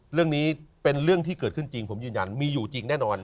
เรื่องนี้เป็นเรื่องที่เกิดขึ้นจริงผมยืนยันมีอยู่จริงแน่นอน